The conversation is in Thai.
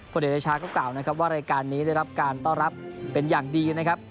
เดชชาก็กล่าวนะครับว่ารายการนี้ได้รับการต้อนรับเป็นอย่างดีนะครับ